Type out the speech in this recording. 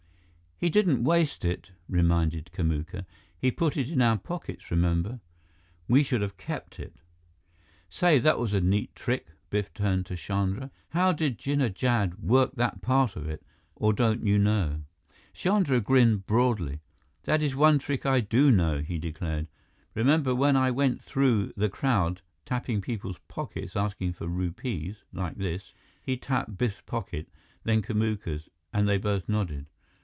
"He didn't waste it," reminded Kamuka. "He put it in our pockets, remember? We should have kept it." "Say, that was a neat trick." Biff turned to Chandra. "How did Jinnah Jad work that part of it? Or don't you know?" Chandra grinned broadly. "That is one trick I do know," he declared. "Remember when I went through the crowd, tapping people's pockets, asking for rupees, like this?" He tapped Biff's pocket, then Kamuka's, and they both nodded.